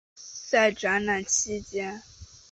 在展览期间。